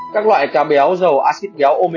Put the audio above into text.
các loại cá béo dầu acid béo omega ba